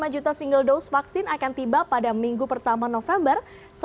lima juta single dose vaksin akan tiba pada minggu pertama november